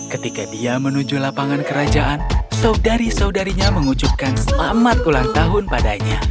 ketika dia menuju lapangan kerajaan saudari saudarinya mengucapkan selamat ulang tahun padanya